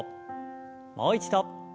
もう一度。